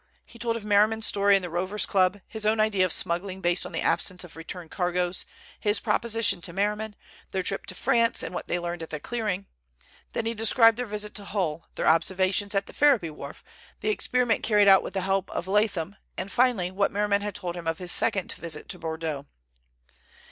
He told of Merriman's story in the Rovers' Club, his own idea of smuggling based on the absence of return cargoes, his proposition to Merriman, their trip to France and what they learned at the clearing. Then he described their visit to Hull, their observations at the Ferriby wharf, the experiment carried out with the help of Leatham, and, finally, what Merriman had told him of his second visit to Bordeaux.